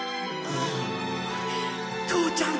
父ちゃん！